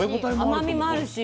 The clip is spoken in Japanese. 甘みもあるし。